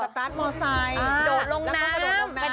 สตาร์ทมอร์ไซส์